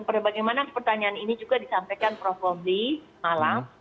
nah bagaimana pertanyaan ini juga disampaikan prof wobby malam